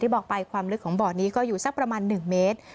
บอกไปความลึกของบ่อนี้ก็อยู่สักประมาณ๑เมตร